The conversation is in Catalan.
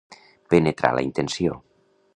Penetrar la intenció.